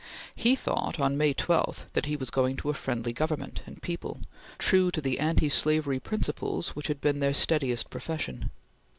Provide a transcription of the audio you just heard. He thought on May 12 that he was going to a friendly Government and people, true to the anti slavery principles which had been their steadiest profession.